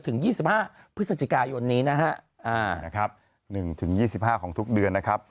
ถึง๒๕พฤศจิกายนนี้นะฮะ๑๒๕ของทุกเดือนนะครับ